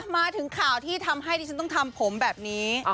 มาถึงข่าวที่ทำให้ดิฉันต้องทำผมแบบนี้